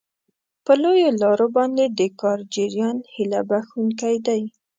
په لویو لارو باندې د کار جریان هیله بښونکی دی.